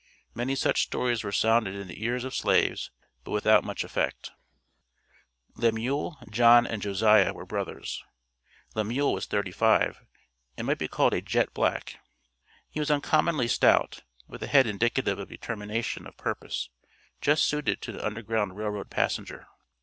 Many such stories were sounded in the ears of slaves but without much effect. Lemuel, John and Josiah were brothers. Lemuel was thirty five, and might be called a jet black. He was uncommonly stout, with a head indicative of determination of purpose, just suited to an Underground Rail Road passenger.